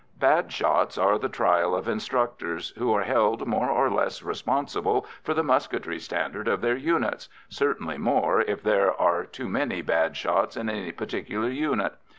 Bad shots are the trial of instructors, who are held more or less responsible for the musketry standard of their units certainly more, if there are too many bad shots in any particular unit.